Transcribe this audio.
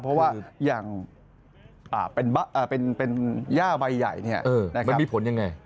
เพราะว่าอย่างเป็นแย่ใบใหญ่นี่มันมีผลอย่างไร